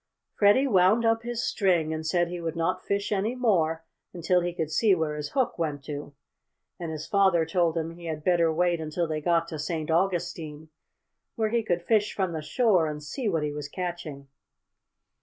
Freddie wound up his string, and said he would not fish any more until he could see where his hook went to, and his father told him he had better wait until they got to St. Augustine, where he could fish from the shore and see what he was catching.